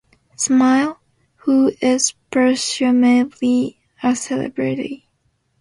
Smile, who is presumably a celebrity.